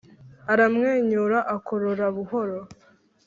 aramwenyura akorora buhoro